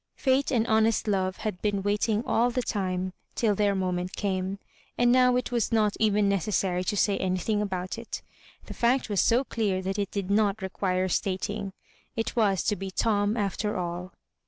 Fate and honest love had been waiting all the time till their moment came ; and now it .was not even necessary to say anything about it The fact Was so dear that it did not require stating. It was to be Tom after all.